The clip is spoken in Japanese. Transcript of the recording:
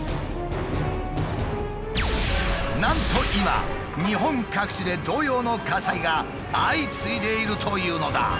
なんと今日本各地で同様の火災が相次いでいるというのだ。